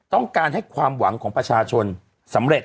ต้องการให้ความหวังของประชาชนสำเร็จ